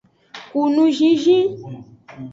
Ku nuzinzin.